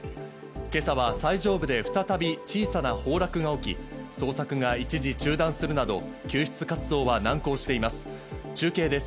今朝は最上部で再び小さな崩落が起き、捜索が一時中断するなど、救出活動は難航しています。